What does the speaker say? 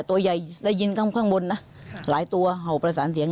ตัวใหญ่ได้ยินข้างบนนะหลายตัวเห่าประสานเสียง